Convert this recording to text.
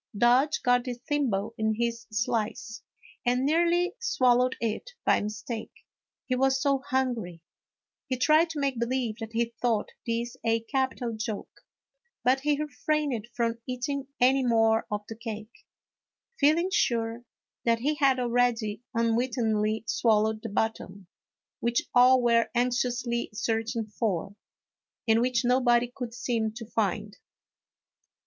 Dodge got the thimble in his slice, and nearly swallowed it by mistake, he was so hungry ; he tried to make believe that he thought this a capital joke, but he refrained from eating any more of the cake, feeling sure that he had already unwittingly swal lowed the button, which all were anxiously searching for, and which nobody could seem to find.